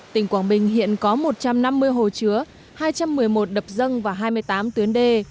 tỉnh quảng bình hiện có một trăm năm mươi hồ chứa hai trăm một mươi một đập dâng và hai mươi tám tuyến đê